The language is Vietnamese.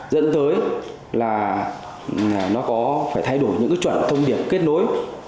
dẫn tới là nó có phải thay đổi những cái chuẩn thông điệp kết nối